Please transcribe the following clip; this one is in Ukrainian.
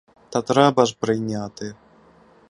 Так треба ж прийняти?